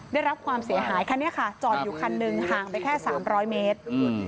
ได้รับความเสียหายคันนี้ค่ะจอดอยู่คันหนึ่งห่างไปแค่๓๐๐เมตร